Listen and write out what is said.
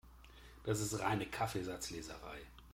Das ist reine Kaffeesatzleserei.